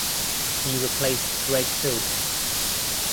He replaced Gregg Philbin.